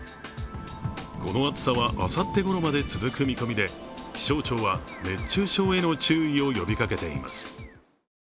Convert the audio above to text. この暑さはあさってごろまで続く見込みで気象庁は熱中症への注意を呼びかけています。